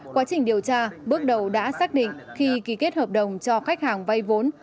quá trình điều tra bước đầu đã xác định khi ký kết hợp đồng cho khách hàng vay vốn